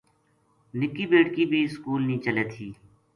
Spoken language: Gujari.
نِکی بیٹکی بھی سکول نیہہ چلے تھیَ